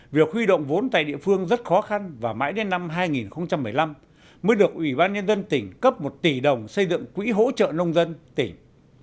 việc huy động vốn tại địa phương rất khó khăn và mãi đến năm hai nghìn một mươi năm mới được ủy ban nhân dân tỉnh cấp một tỷ đồng xây dựng quỹ hỗ trợ nông dân tỉnh